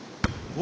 お。